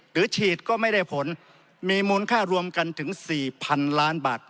หรือฉีดก็ไม่ได้ผลมีมูลค่ารวมกันถึง๔๐๐๐ล้านบาท